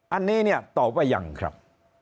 อันนี้เนี่ยตอบว่ายังครับ